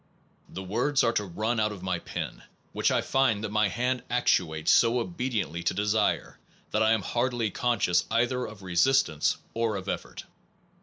The words are to run out of my pen, which I find that my hand actuates so obediently to desire that I am hardly conscious either of resistance or of effort.